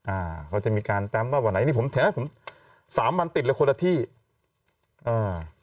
อ่าเขาจะมีการแจ้งว่าวันไหนนี่ผมสามวันติดเลยคนละที่อ่า